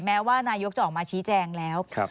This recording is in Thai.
แม้ว่านายกจะออกมาชี้แจงแล้ว